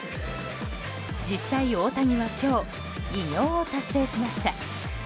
実際、大谷は今日偉業を達成しました。